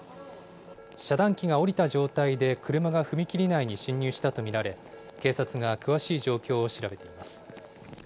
遮断機が下りた状態で車が踏切内に進入したと見られ、警察が詳しい状況を調べています。